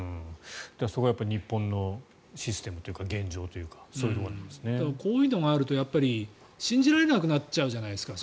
そこが日本のシステムというか現状というかこういうのがあるとやっぱり信じられなくなっちゃうじゃないですか。